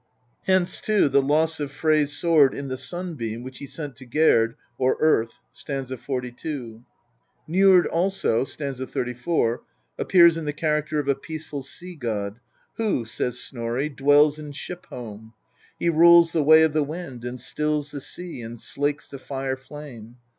Hence, too, the loss of Frey's sword in the sunbeam which he sent to Gerd, or earth (st. 42). Njord also (st. 34) appears in the character of a peaceful sea god ; "who," says Snorri, "dwells in Ship home ; he rules the way of the wind, and stills the, sea and slakes the fire flame.